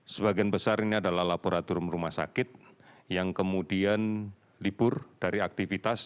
sebagian besar ini adalah laboratorium rumah sakit yang kemudian libur dari aktivitas